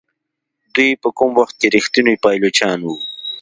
دوی په کوم وخت کې ریښتوني پایلوچان وو.